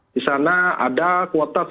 di sana ada kuota